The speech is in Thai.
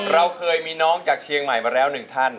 เราเคยมีน้องจากเชียงใหม่มาแล้วหนึ่งท่าน